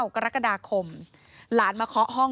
กรกฎาคมหลานมาเคาะห้อง